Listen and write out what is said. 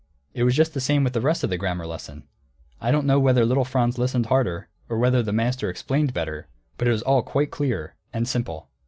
It was just the same with the rest of the grammar lesson. I don't know whether little Franz listened harder, or whether the master explained better; but it was all quite clear, and simple.